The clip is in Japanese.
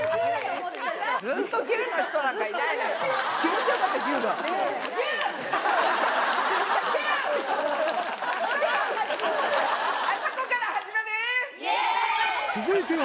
ずっと牛の人なんかいないよ。